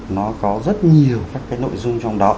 nó có rất nhiều các cái nội dung trong đó